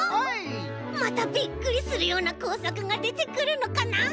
またびっくりするようなこうさくがでてくるのかな？